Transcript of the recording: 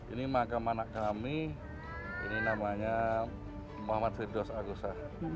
ini makam anak kami ini namanya muhammad firdaus agusah